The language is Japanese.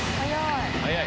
速い。